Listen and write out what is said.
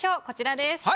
こちらです。